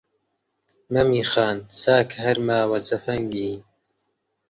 «مەمی خان» چاکە هەر ماوە جەفەنگی